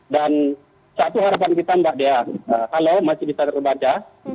dan satu harapan kita mbak dea halo masih bisa terbaca